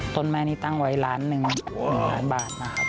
ต้นไม้นี้ตั้งไว้ล้านหนึ่ง๑ล้านบาทนะครับ